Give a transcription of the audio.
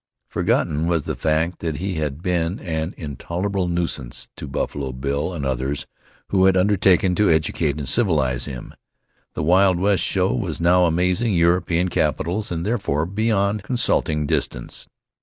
Forgotten was the fact that he had been an intolerable nuisance to Buffalo Bill and others who had undertaken to educate and civilize him. The Wild West Show was now amazing European capitals and, therefore, beyond consulting distance.